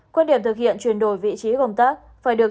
quan điểm thực hiện chuyển đổi vị trí công tác